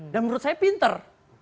dan menurut saya pinter